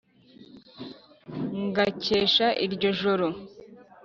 Ngakesha iryo joro.